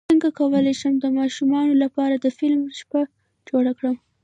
څنګه کولی شم د ماشومانو لپاره د فلم شپه جوړه کړم